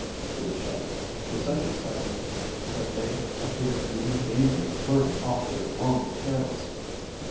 to each other, in such excitement that they appeared to be in danger of flirting off their long tails.